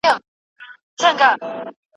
څه د مستیو ورځي شپې ووینو